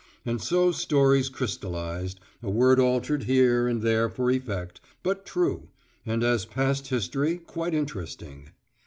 And so stories crystallised, a word altered here and there for effect, but true, and as past history quite interesting.